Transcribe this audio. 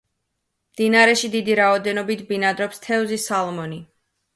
მდინარეში დიდი რაოდენობით ბინადრობს თევზი სალმონი.